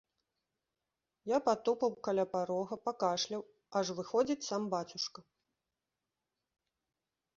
Я патупаў каля парога, пакашляў, аж выходзіць сам бацюшка.